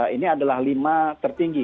ini adalah lima tertinggi